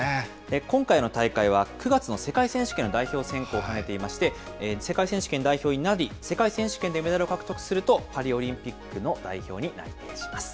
今回の大会は、９月の世界選手権の代表選考を兼ねていまして、世界選手権代表になり、世界選手権でメダルを獲得すると、パリオリンピックの代表に内定します。